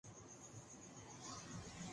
دوسروں کا فائدہ اٹھاتا ہوں